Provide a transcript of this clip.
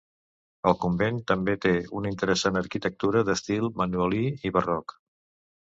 El convent també té una interessant arquitectura d'estil manuelí i barroc.